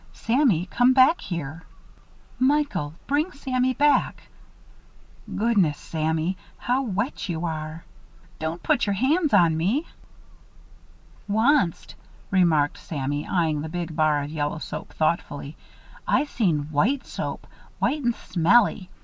Sammy! Come back here. Michael! Bring Sammy back. Goodness, Sammy! How wet you are don't put your hands on me." "Wonst," remarked Sammy, eying the big bar of yellow soap, thoughtfully, "I seen white soap white and smelly.